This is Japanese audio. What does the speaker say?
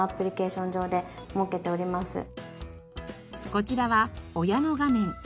こちらは親の画面。